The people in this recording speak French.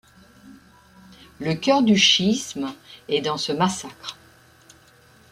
Le cœur du chiisme est dans ce massacre.